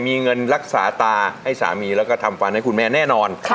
มีเงินรักษาตาให้สามีแล้วก็ทำฟันให้คุณแม่แน่นอน